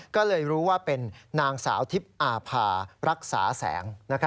ก็เลยรู้ว่าเป็นนางสาวทิพย์อาภารักษาแสง